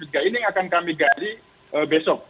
ini akan kami gali besok